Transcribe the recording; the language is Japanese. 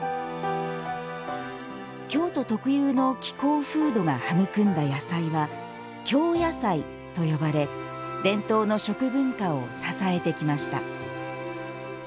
京都特有の気候風土が育んだ野菜は「京野菜」と呼ばれ伝統の食文化を支えてきました。